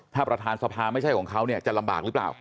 ถ้าประธานสภาไม่ใช่ของเขาเนี่ยจะลำบากหรือเปล่า